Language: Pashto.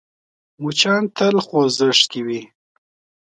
مچان تل خوځښت کې وي